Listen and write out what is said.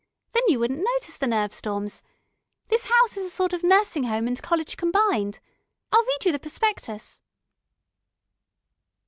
Then you wouldn't notice the nerve storms. This house is a sort of nursing home and college combined. I'll read you the prospectus."